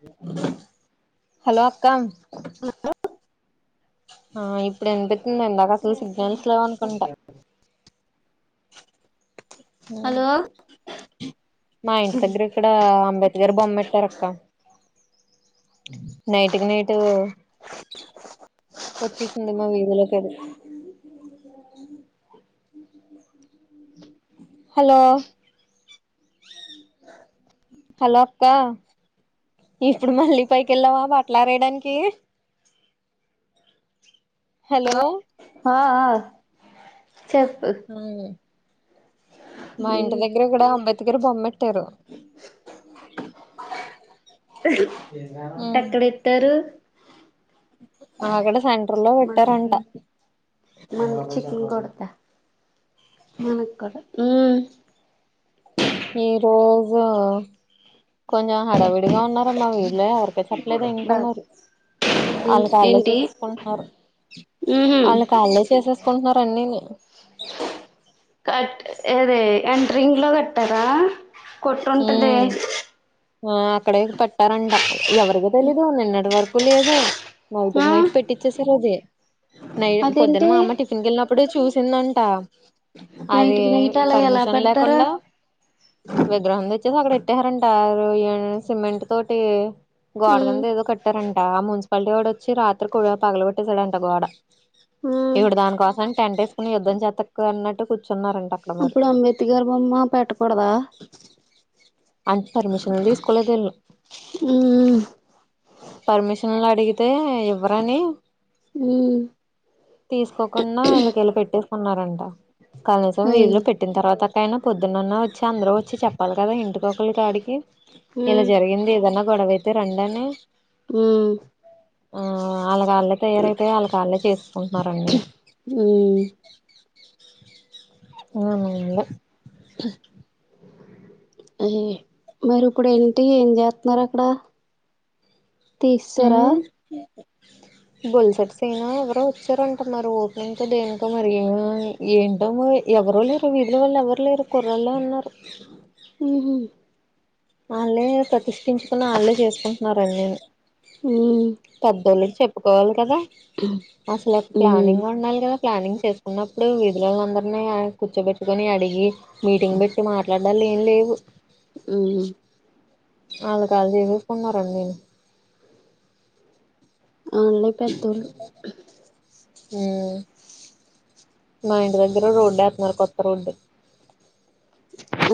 వ హలో అక్క ఆ ఇప్పుడు వినిపిత్తుంది ఇందాక అసలు సిగ్నల్స్ లేవ్ అనుకుంటా హలో మా ఇంటి దగ్గర ఇక్కడ అంబేద్ ద్కర్ బొమ్మ పెట్టారు అక్కా నైట్కి నైట్ వచ్చేసింది మా వీధీలోకి టరు హలో హలో అక్కా ఇప్పుడు మళ్ళీ పైకి వెళ్ళావా బట్టలు ఆరేయడానికి హలో ఆ హా ఆ చెప్పు మా ఇంటి దగ్గర కూడా అంబేద్క ద్కర్ బొమ్మెట్టారు ఎక్కడ ఎట్టరు అక్కడ సెంటర్ లో మనకి పెట్టారంట మనకి చికేన్ కూడా దా మనకు కూడా ఊ ఈ రోజు కొంచెం హడవిడిగా ఉన్నారమ్మా వీళ్లే ఎవరికే చెప్పలేదు ఇంకా బా మరి ఏంటి వాళ్ళకి వాళ్ళే ఏంటి చేసేసుకుంటున్నారు ఊహూ వాళ్ళకి వాళ్ళే చేసేసుకుంటున్నారు టన్నిని కట్ ఏదే అంటే రింగ్ ల కట్టారా కొట్టుంటది ఉమ్ ఆ అక్కడే కట్టారంట ఎవరికి తెలీదు నిన్నటి వరకు లేదు నైట్ ఆ కి నైట్ పెట్టిచ్చేసార్ అది నై పొద్దున్న అదేంటి మా అమ్మ టిఫిన్ కి వెళ్ళినప్పుడే చూసిందంట అది నైట్కి నైట్ అలా ఎలా పర్మిషన్ పెడతారా లేకుండా విగ్రహం తేచ్చేసి అక్కడ ఎట్టేరాంట ఆ రో సిమెంట్ తోటి గోడ మ్మ్ కింద ఏదో కట్టారంట ఆ మున్సిపాలిటీ వాడు వచ్చి రాత్రి కూడా తగబెట్టేసాడు అంట గోడ మ్మ్ ఇప్పుడు దానికోసం అని టెంట్ ఎస్కొని యుద్ధం చేతకు అన్నట్టు కూర్చు ఈప్పుడు అంబేద్కర్ బొమ్మ పెట్టకూడదా అంటే పర్మిషన్ తీసుకోలేదు ఇల్లు హుమ్మ్ పర్మిషన్లు అడిగితే ఇవ్వరని మ్మ్ తీసుకోకుండా ఇళ్ల ఇళ్లకే పెట్టేసుకున్నారంట కనీసం అయ్ వీధిలో పెట్టిన తర్వాత పైనా పొద్దున్నన్న వచ్చి అందరు వచ్చి చెప్పాలి కదా ఇంటికొకళ్ళ కాడికి ఇలా మ్మ్ జరిగింది ఏదన్నా గొడవైతే రండని హమ్ ఆ అలా అలాకే తయారైతె అలా అలాకే చేసుకుంటున్నారండి హమ్ హమ్ ఏందో ఆయే మరి ఇప్పుడు ఇంటికి ఏం చేతనార్ అక్కడ అ తీస్సేరా బొల్సెట్ సీనా ఎవరో వచ్చారంటున్నారు ఓపెన్ కి దేనికో మరి ఏవేవో ఏంటో మరి ఎవరూ లేరు వీధుల వాళ్ళు ఎవరు లేరు కుర్రలే ఉన్నారు హుమ్మ్ ఆళ్ళే ప్రతిష్ఠించుకుని ఆళ్ళే చేసుకుంటున్నారు అనిని ఉమ్ పద్దోళ ఓప్పుకోవాలి కదా అసలు ఒక ఉమ్ ప్లానింగ్ ఉండాలి కదా ప్లానింగ్ చేసుకున్నప్పుడు వీధులో అందరినీ కూర్చోబెట్టుకొని అడిగి మీటింగ్ పెట్టి మాట్లాడాలి ఏం లేవు హమ్ అలా కళ్ళు చేసెస్కుంటున్నారు అన్నినీ అల్లే పెద్దోళ్ళు హమ్ మా ఇంటి దగ్గర రోడ్డు ఎత్తున్నారు కొత్త రోడ్డు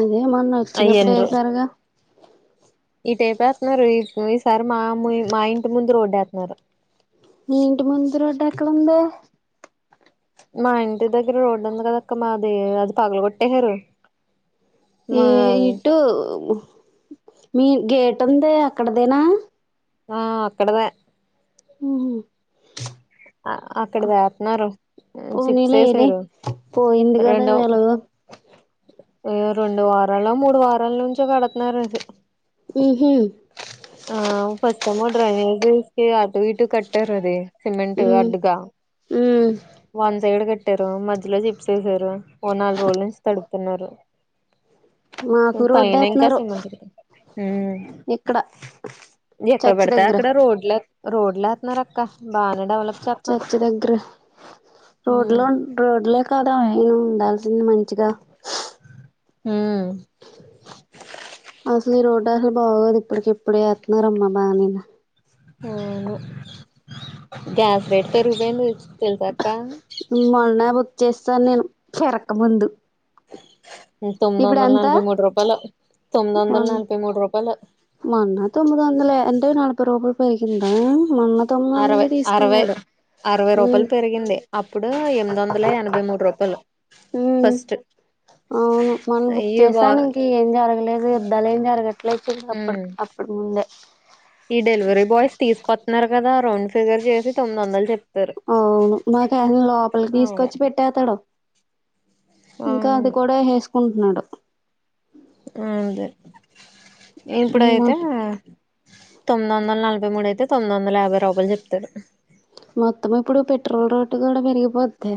అదే మొన్న వచ్చినప్పుడు ఎసరుగా ఇటైపు ఎత్తనారు ఈ ఈసారి మా ము మా ఇంటి ముందు రోడ్డు ఎత్తనారు మీ ఇంటి ముందు రోడ్డు ఎక్కడుంది మా ఇంటి దగ్గర రోడ్డు ఉంది కద అక్క మాది అది పగలగొట్టేయారు ఏ ఇటు మీ గేట్ ఉంది అక్కడదేనా ఆ అక్కడదే హుమ్మ్ ఆ అక్కడ దతున్నారు చిప్స పోనీలే ఏది ఏసారు పోయింది కదా ఎలాగో ఎహ్ రెండు వారల్లో మూడు వారాల నుంచి కడుతున్నరూ ఇది హుమ్మ్ ఆ ఫస్ట్ ఏమో డ్రైనేజస్ కి అటు ఇటు కట్టారు అది సిమెంట్ ఉమ్ అడ్డు గా ఉమ్ వన్ సైడ్ కట్టారు మధ్యలో చిప్స్ ఏసారు ఓ నాలుగు రోజుల నుంచి తడుపుతున్నారు మాకు రోడ్డు పైన ఇంకా ఎత్తున్నారు సిన్మ [unintelligible] ఇక్కడ ఎక్కడ చర్చి పడతా దగ్గర అక్కడ రోడ్ల రోడ్ల ఏతున్నారు అక్ చర్చ దగ్గర రోడ్ ఉమ్ లో రోడ్లో కాదామే నేను ఉండాల్సింది మంచిగా ఊ అసలు ఈ రోడ్డు అసలు బాగోదు ఇప్పటికి ఇప్పుడే ఏతున్నారు అమ్మా బాగానే ఇగ అవును గ్యాస్ రేట్ పెరుగుపోయింది తెలుసాక్క మొన్న బుక్ చేస్తాను నేను పెరక ముందు తొమ్మిది వందల నలభై మూడు రూపాయలు తొమ్మిది వందల మన్ నలభై మూడు రూపాయలు మన్న తొమ్మిది వందలే ఎంతో నడ్ ప్రోబ పెరిగిందా మొన్న తొమ్మది వందలే అరవై అనే అరవై తీసుకున్నాడు అరవై ఉమ్ రూపాయలు పెరిగింది అప్పుడు ఎనిమిది వందల ఎనభై మూడు రూపాయలు ఉమ్ ఫస్ట్ అవును మొన్న బుక్ ఈ వా చేసాను ఇంక ఈ జరగలేదు యుద్ధాలు ఏం జరగట్లేదు ఉమ్ అప్పటి అప్పటి ముందు దే ఈ డెలివరీ బాయ్స్ తీసుకొస్తున్నారు కదా రౌండ్ ఫిగర్ చేసి తొమ్మిది వందలు చెప్ అవును మాకు ఏయన లోపలికి అలాగా తీసుకొచ్చి పెట్టేస్తాడు ఇంకా అది అవును కూడా వేసుకుంటున్నాడు అదే ఇప్పుడయితే తొమ్మిది వందల నలభై మూడు అయితే తొమ్మిది వందల యాభై రూపాయలు చెప్తారు మొత్తం ఇప్పుడు పెట్రోల్ రోటు కూడా పెరిగిపోద్ధి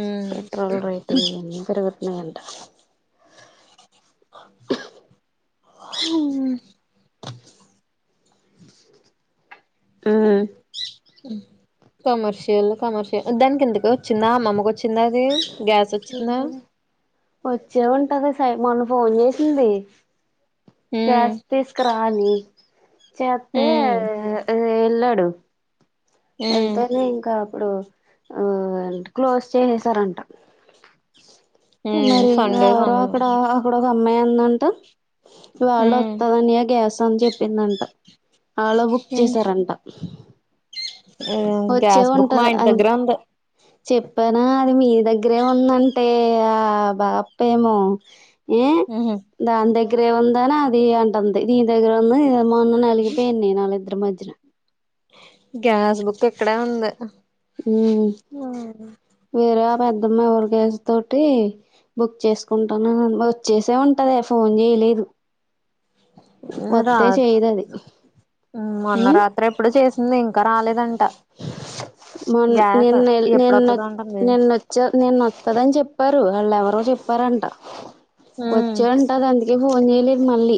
ఉమ్ పెట్రోల్ రేట్ ఏమీ పెరగట్లే అంట ఊ కమర్షియల్ కమర్షియల్ దానికి ఎందుకు వచ్చిందా అమ్మమ్మకు వచ్చిందా అది గ్యాస్ వచ్చిందా ఏంటది వచ్చే ఉంటది సై మొన్న ఫోన్ చేసింది ఉమ్ క్యాష్ తీస్కారా అని చేతే ఉమ్ ఏ ఎలడు ఉమ్ వెళ్తేనే ఇంకా అప్పుడు ఆ క్లోజ్ చేసారంట ఉమ్ మరి సండే ఎవరో సండే అక్కడ అక్కడ ఒక అమ్మాయి ఉందంట వాళ ఉమ్ వతదని గ్యాస్ అని చెప్పిందంట ఆలే బుక్ చేసారంట ఊ వచ్చే గ్యాస్ బుక్ మా ఉంటది ఇంటి అంది దగ్గరే ఉంది చెప్పానా అది మీ దగ్గరే ఉందంటే ఆ బాపేమో ఊ ఉహు దాని దగ్గరే ఉందానా అది అంటంది దీని దగ్గర ఉందని ఇది మొన్న నలిగిపోయింది వాళ్ళ ఇద్దరి మద్యన గ్యాస్ బుక్ ఇక్కడె ఉంది ఊ వేరే ఆ పెద్దమ్మ వాళ్ళ గ్యాస్ తోటి బుక్ చేసుకుంటాను వచ్చేసే ఉంటదే ఫోన్ చేయలేదు ఊ వస్తే రాద్ చేయదు అది మొన్న ఉమ్ రాత్రో ఎప్పుడు చేసింది ఇంకా క రాలేదంట మొన్ గ్యాస్ ఎప్పుడతదంటుంది నినోతదని చెప్పారు వాళ్ళెవరో చెప్పారంట ఉమ్ వచ్చాడంట దానికి ఫోన్ చేయలేదు మళ్ళీ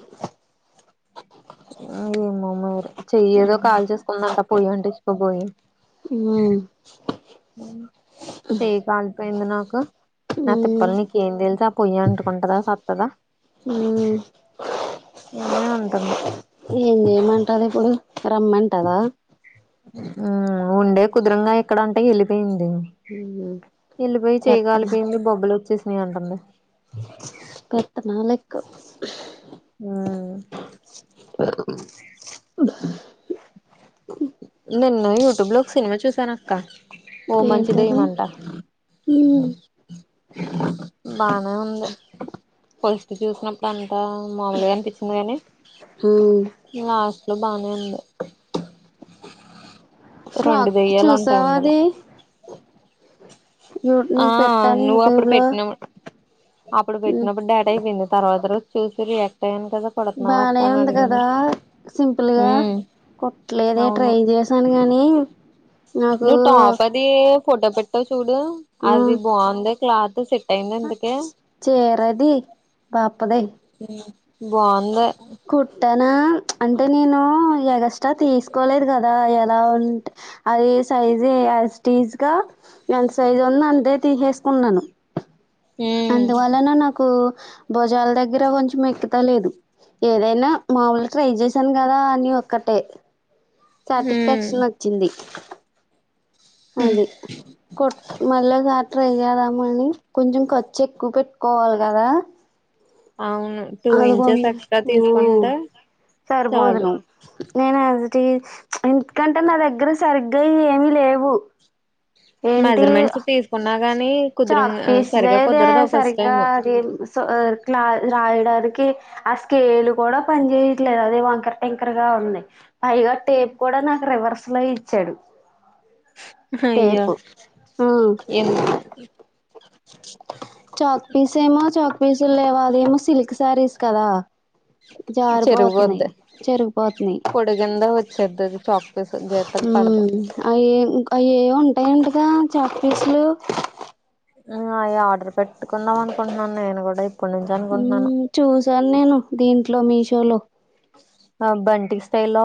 ఆ ఏమో మరి చెయ్యేదో కాల్ చేసుకుందంట పోయి అంటిచుకోబోయి మ్మ్ చెయ్ కాలిపోయింది నాకు నా తిప్పలు నీకేం తెలుస్ ఆ పొయ్యి అంటుకుంటదా సత్తదా మ్మ్ ఇనే ఉంటుంది కాద్ ఇప్పుడు రమ్మంటదా ఊ ఉండే కుదురుంగా ఇక్కడ అంటే వెళ్ళిపోయింది అ మ్మ్ నీళ్ళుపోయి చేయి పెత్తనా కాలిపోయింది బొబ్బలు వచ్చేసినయ్ అంటుంది [unintelligible] ఆ నిన్న యూట్యూబ్ లో ఒక సినిమా చూసాను అక్క ఓ మంచి ఏంటది దయ్యామంట మ్మ్ బానే ఉంది ఫస్ట్ చూసినప్పుడు అంతా మాములుగా అనిపించింది గానీ మ్మ్ లాస్ట్ లో బానే ఉంది రెండు ఫ్రాక్ దెయ్యాలు ఉంటాయి చూసావా అందులో అది యూ ఆ నీకు పెట్టాను నువ్వు అప్పుడు యూట్యూబ్ లో పెట్టిన అప్పుడు మ్మ్ పెట్టినప్పుడు డాటా అయిపోయింది తర్వాత రోజు చూసి రియాక్ట్ అయ్యాను కదా కుడుతున్నావా అక్క బానే అని ఉంది అడిగిన కదా సింపుల్ ఊ గా కుట్టలేదే ట్రై చేసాను గానీ నాకు నువ్వు టాప్ అది ఫోటో పెట్టావ్ చూడు అది బాగుంది క్లాత్ సెట్ అయింది ఇంతకి చేర్ అది పాపదే బాగుందే కుట్టే న అంటే నేను ఎగస్ట తీసుకోలేదు గదా ఎలా ఉంటే అది స సైజె యాస్ టిజ్ గా ఎంత సైజు ఉందో అంతే తీసేసుకున్నాను ఉమ్ అందువలన నాకు భుజాల దగ్గర కొంచెం ఎక్కుత లేదు ఏదైనా మాముూలు గా ట్రై చేశాను కదా అని ఒక్కటే సాటిస్ఫాక్షన్ వచ్చింది అది కొట్ మళ్ళ [unintelligible] అని కొంచెం ఖర్చు ఎక్కువ పెట్టుకోవాలి కదా అవును టూ ఇంచెస్ ఎక్స్ట్రా తీసుకుంటే [unintelligible] సరి చాలు పోదును నేను యాస్టీ ఎందుకంటే నా దగ్గర సరిగ్గా ఏమిీ లేవు ఏంటి మెజర్మెంట్స్ తీసుకున్నా గాని కుదురు చాక్ పీస్ సరిగా లేదే కుదరదు ఫస్ట్ సరిగ్గా టైమ్ అది క్లా రాయడా నికి ఆ స్కేల్ కూడా పని చేయట్లేదు అది వంకర టీంకర్ గా ఉన్నాయి పైగా టేప్ కూడా నాకు రివర్స్ లో ఇచ్చాడు అయ్యో టేపు ఇన్ చాక్పీీస్ ఏమో చాక్పీీసు లేవు అది ఏమో సిల్క్ సారీస్ కదా జారిపోతున్నాయ్ చెరిగిపోద్ది జరిగిపోతున్నాయి పొడుగింద వచ్చేద్ది అది చాక్ పీస్ గీతకి పడదు హ్మ్మ్ అవిే అయేవో ఉంటాయంట టా చాక్పీసులు అ ఆర్డర్ పెట్టుకుందాం అనుకుంటున్నాను నేను కూడా ఇ హ్మ్మ్ చూసాను నేను దీంట్లో మీషోలో ఆ బంటి స్టైల్ లో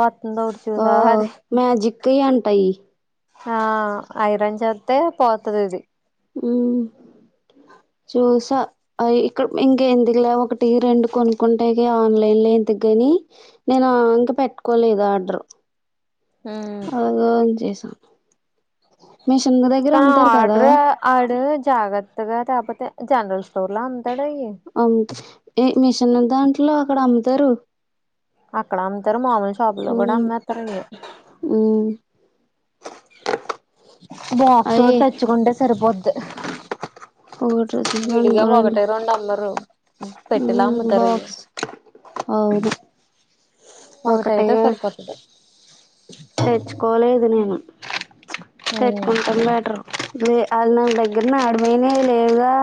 ఆ మ్యాజిక్ వి అంటా అయ్యి హ ఐరన్ చేత్తే పోతది ఇది హ్మ్మ్ చూసా ఇక్కడ ఇంక ఎందుకులే ఒకటి రెండు కొనుక్కుంటాయి ఆన్లైన్ లో ఎందుకుని నేను ఇంకా పెట్టుకోలేదు ఆర్డరు అలాగ అని చేసా ఆ అమ్ముతారు కదా ఆర్డర్ ఆడు జాగత్తగా తేకపోతే జనరల్ స్టోర్ లా అ ఇది మిషన్ దాంట్లో అక్కడ అమ్ముతారు అక్కడ అమ్ముతారు మామూలు షాపు లో కూడా అమ్మేత్తారు అండి ఊ బాక్స్ కూడా తెచ్చుకుంటే సరిపోద్ది. ఒకటి విడిగా రెండు ఒకటే రెండు అమ్మరు. హ్మ్ పెట్టలామ్ముతరు ఇయి బాక్స్ అవును ఒకటే ఒకటైతే సరిపోతది. తెచ్చుకోలేదు నేను, తెచ్చుకుంటాను లాటరు ఇదే అన్ని ఉండాయ్ దగ్గర నా అడుమేనే లేదుగా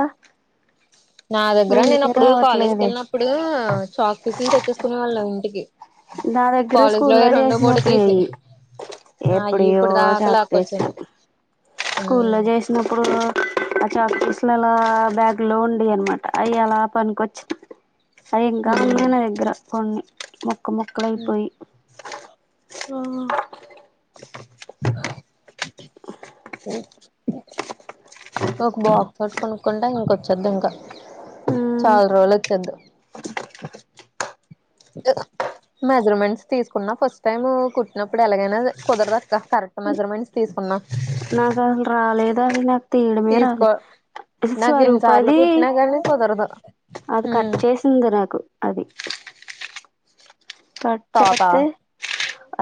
నా దగ్గర నేనప్పుడు కాలేజ్కి వెళ్ళినప్పుడు, షాక్ ఫీసులు తెచ్చేసుకునే వాళ్ళం ఇంటికి నా దగ్గర కాలేజీ స్కూల్లో లోయి రెండో మూడో తీసి చేసినప్పుడేయి ఆ అయ్యి ఎప్పుడియో ఇప్పుడు చాక్ పీసులు దాకాలాక్కొచింది. స్కూల్లో చేసినప్పుడు అట్ చాక్ పీస్ లలో బ్యాగ్ లో ఉండేయనమాట అయి ఏలా పనినికొచ్చి అయి ఇంకా ఉన్నయి నా దగ్గర కొన్ని, ముక్క ముక్కలయిపోయి. ఓ ఒక బాక్స్ తోటి కొనుక్కుంటా ఇంకొచ్చది ఇంకా. చాల రోజులొచ్చిది ఎదా మెజర్మెంట్స్ తీసుకున్నా ఫస్ట్ టైమ్ కుట్టినప్పుడు ఎలాగైనా కుదరదక్క కరెక్ట్ మెజర్మెంట్స్ తీసుకున్నా. నాకసలు రాలేదండి నాకు తీడమే రాలే. తీసుకో నాకు ఎన్నిసార్లు కుట్టినా కానీ కుదరదు. అది కట్ చేసింది గ నాకు అది కట్ తోత చేస్తే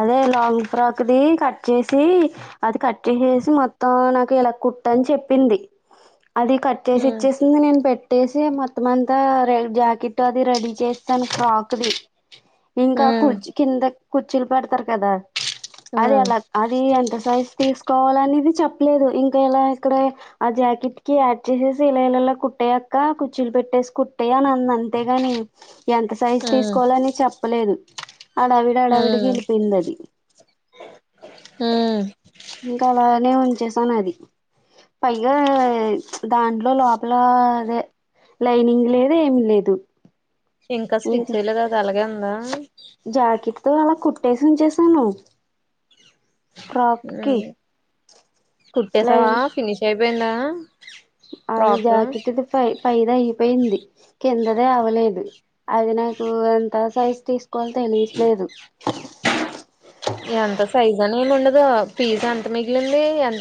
అదే లాంగ్ ఫ్రాక్దిి కట్ చేసి, అది కట్ చేససి మొత్తం నాకు ఇలా కుట్ట అని చెప్పింది, అది కట్ చేసి ఇచ్చేసింది నేను పెట్టేసి మొత్ మొత్తమంతా రైల్ జాకెట్ అది రెడీ చేస్తాను ఫ్రాక్దిి. ఇంకా కూర్చి కింద కుచ్చిలు పడతరు కదా. అదే అలా అది ఎంత సైజ్ తీసుకోవాల అనేది చెప్పలేదు ఇంకా ఇలా ఇక్కడే ఆ జాకెట్ కి యాడ్ చేసేసి ఇలా ఇలా ల కుట్టే అక్క కు కుచ్చిలు పెట్టేసి కుట్టేయనన్న అంతేగని, ఎంత సైజు తీసుకోవాల అని చెప్పలేదు. అడావిడి అడావిడి ఎళ్ళిపోయిందది. ఇంకా అలానే ఉంచేసాను అది. పైగా దాంట్లో ప్చ్ లోపల అదే లైనింగ్ లేదు ఏం లేదు ఇంకా స్టిచ్ ఎయ్యలేదు అది అలాగే ఉందా? మొత్తం అలా కుట్టేసి ఉంచేసాను. ఫ్రాక్ కి ఉమ్ కుట్టసావా లైన్ ఫినిష్ అయిపోయిందా? అది ఫ్రాక్ జాకెట్ది పై పైదయిపోయింది కిందదే అవ్వలేదు, అది నాకు ఎంత సైజ్ తీస్ కోల తెలియట్లేదు నని ఉండగ పిజ్ ఎంత మిగిలింది? ఎం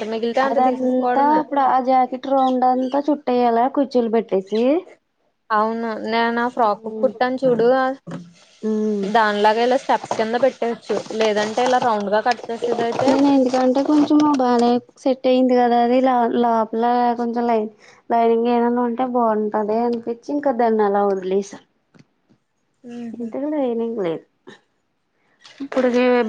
అదంతా ఇప్పుడు ఆ జాకెట్ రౌండ్ అంతా చుట్టయ్యాల కుచ్చిలు పెట్టేసి అవును నేను ఆ ఫ్రాక్ ఉమ్ కుట్టాను చూడు ఆ దానిలాగా ఇలా స్టెప్స్ కింద పెట్టేవచ్చు, లేదంటే ఇలా రౌండ్ గా కట్ చేసేదయితే అంటే కొంచెం బానే సెట్ అయింది. కదా అది లో లోపల కొంచెం లై లైనింగ్ ఏనన్నా ఉంటే బాగుంటది అనిపించి ఇంకా దన్నలా వదిలేసా. ఎంత కూడా లైనింగ్ లేదు ఇప్పుడుగేయ